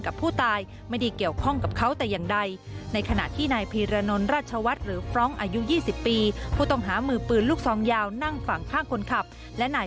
กับผู้ตายไม่ได้เกี่ยวข้องกับเขาแต่อย่างใดในขณะที่นายพีรนราชวัฒน์หรือฟร้องอายุ๒๐ปีผู้ต้องหามือปืนลูกซองยาวนั่งฝั่งข้างคนขับและนาย